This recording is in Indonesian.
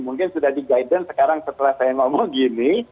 mungkin sudah di guidance sekarang setelah saya ngomong gini